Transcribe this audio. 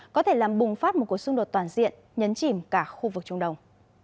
có thể làm bùng phát một cuộc xung đột toàn diện nhấn chìm cả khu vực trung đông